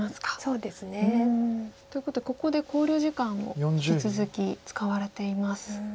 そうですね。ということでここで考慮時間を引き続き使われています。